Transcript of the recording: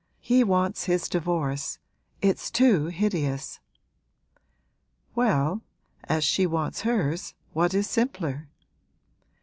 'He wants his divorce it's too hideous!' 'Well, as she wants hers what is simpler?'